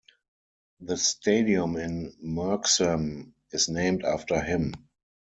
The stadium in Merksem is named after him.